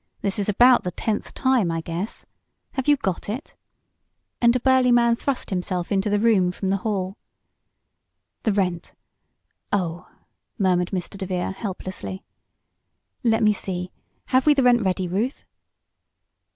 "This is about the tenth time, I guess. Have you got it?" and a burly man thrust himself into the room from the hall. "The rent Oh!" murmured Mr. DeVere, helplessly. "Let me see; have we the rent ready, Ruth?"